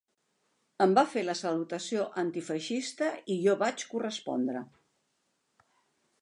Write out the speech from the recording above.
Em va fer la salutació antifeixista i jo vaig correspondre